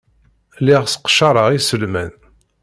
Lliɣ sseqcareɣ iselman.